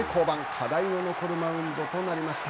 課題の残るマウンドとなりました。